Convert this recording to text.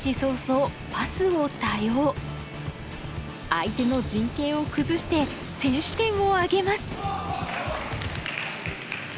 相手の陣形を崩して先取点を挙げます。